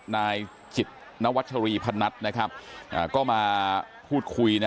นายจิตนวัชรีพนัทก็มาพูดคุย